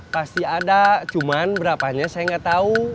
pasti ada cuman berapanya saya enggak tahu